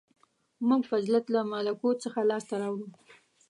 • موږ فضیلت له ملکوت څخه لاسته راوړو.